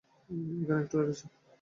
এখানে একটু লেগেছে।